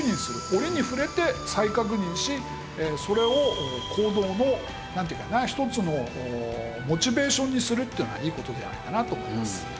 折に触れて再確認しそれを行動のなんていうかな一つのモチベーションにするっていうのはいい事ではないかなと思います。